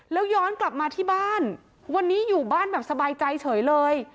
แล้วย้อนกลับมาที่บ้านวันนี้อยู่บ้านแบบสบายใจเฉยเลย